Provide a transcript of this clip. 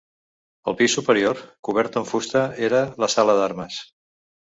El pis superior, cobert amb fusta, era la sala d'armes.